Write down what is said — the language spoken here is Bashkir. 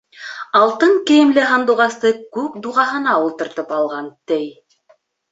Алтын кейемле һандуғасты күк дуғаһына ултыртып алған, ти.